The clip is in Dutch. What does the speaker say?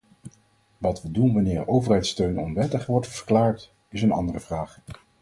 Wat we doen wanneer overheidssteun onwettig wordt verklaard, is een andere vraag.